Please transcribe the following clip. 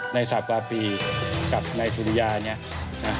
ในสัปดาห์ปีกับในสุริยาเนี่ยนะ